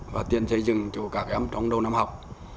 và tiền xây dựng cho các em trong đầu năm học